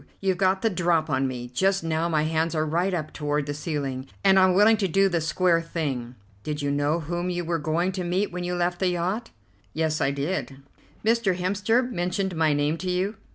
You've got the drop on me. Just now my hands are right up toward the ceiling, and I'm willing to do the square thing. Did you know whom you were going to meet when you left the yacht?" "Yes, I did." "Mr. Hemster mentioned my name to you?"